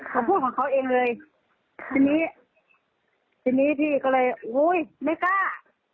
เขาพูดของเขาเองเลยทีนี้ทีนี้พี่ก็เลยอุ้ยไม่กล้า